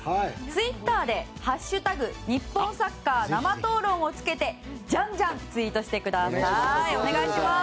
ツイッターで「＃日本サッカー生討論」をつけてジャンジャンツイートしてくださいお願いします。